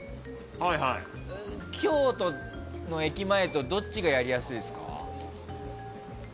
京都の駅前とどっちがやりやすいですか？